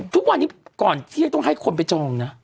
คือทุกวันนี้ก่อนที่เฮ้ยต้องให้คนไปจองนะ